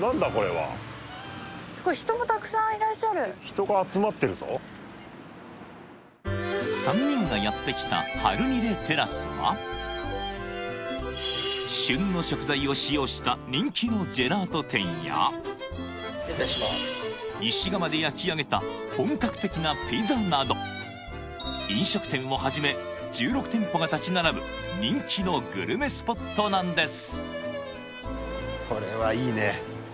すごい人もたくさんいらっしゃる３人がやって来たハルニレテラスは旬の食材を使用した人気のジェラート店や石窯で焼き上げた本格的なピザなど飲食店をはじめ１６店舗が立ち並ぶ人気のグルメスポットなんです